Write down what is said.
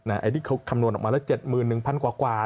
ไอ้ที่เขาคำนวนออกมาแล้ว๗๑๐๐๐พันธุ์กว่า